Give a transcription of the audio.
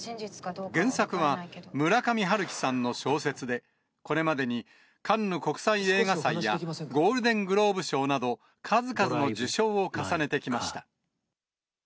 原作は村上春樹さんの小説で、これまでにカンヌ国際映画祭やゴールデングローブ賞など、数々の受賞を重ねてきました。